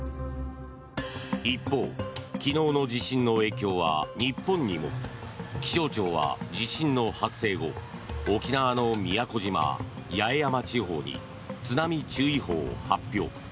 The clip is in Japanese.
一方、昨日の地震の影響は日本にも。気象庁は地震の発生後沖縄の宮古島・八重山地方に津波注意報を発表。